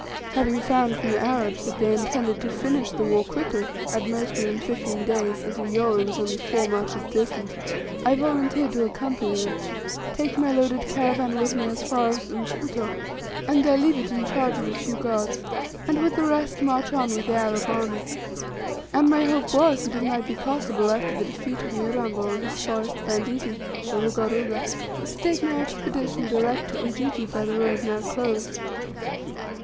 Having found from the Arabs that they intended to finish the war quickly at most within fifteen days, as Uyoweh was only four marches distant I volunteered to accompany them, take my loaded caravan with me as far as Mfuto, and there leave it in charge of a few guards, and with the rest march on with the Arab army. And my hope was, that it might be possible, after the defeat of Mirambo, and his forest banditti the Ruga Ruga to take my Expedition direct to Ujiji by the road now closed.